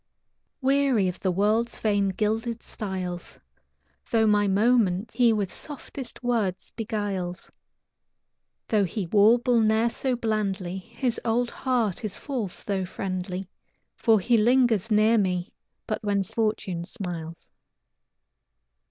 Weary of the world's vain, gilded styles, Though my moments he with softest words beguiles; Though he warble ne'er so blandly, His old heart is false though friendly, For he lingers near me but when fortune smiles.